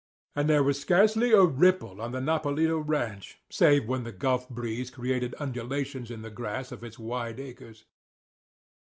And there was scarcely a ripple on the Nopalito ranch save when the gulf breeze created undulations in the grass of its wide acres.